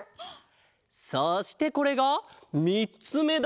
そしてこれがみっつめだ。